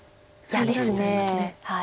嫌です。